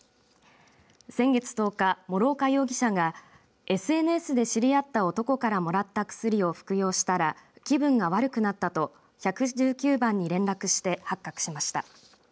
先月１０日、諸岡容疑者がＳＮＳで知り合った男からもらった薬を服用したら気分が悪くなったと１１９番に連絡して発覚しました。